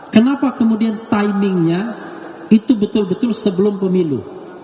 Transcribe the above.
kenapa kemudian timingnya itu betul betul sebelum pemilu